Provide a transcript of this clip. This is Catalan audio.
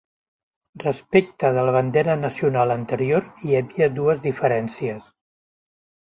Respecte de la bandera nacional anterior hi havia dues diferències.